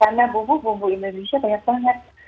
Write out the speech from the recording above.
karena bumbu bumbu indonesia banyak banget